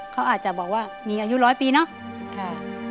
เขาอาจจะบอกว่ามีอายุร้อยปีเนาะ